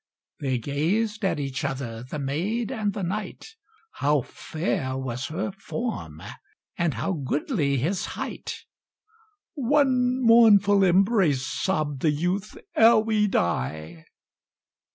They gazed at each other, the maid and the knight; How fair was her form, and how goodly his height! "One mournful embrace," sobbed the youth, "ere we die!